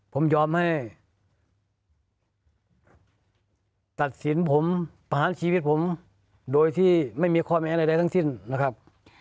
ผมยอมให้ตัดสินผมประหารชีวิตผมโดยที่ไม่มีข้อแม้ใดทั้งสิ้นนะครับ